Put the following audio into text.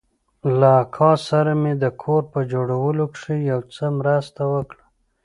له اکا سره مې د کور په جوړولو کښې يو څه مرسته وکړه.